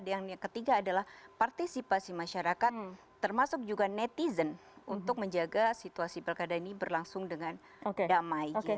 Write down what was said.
yang ketiga adalah partisipasi masyarakat termasuk juga netizen untuk menjaga situasi pilkada ini berlangsung dengan damai